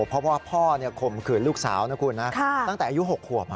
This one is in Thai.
เพราะว่าพ่อข่มขืนลูกสาวนะคุณนะตั้งแต่อายุ๖ขวบ